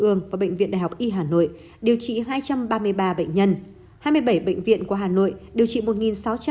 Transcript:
ương và bệnh viện đại học y hà nội điều trị hai trăm ba mươi ba bệnh nhân hai mươi bảy bệnh viện của hà nội điều trị một sáu trăm linh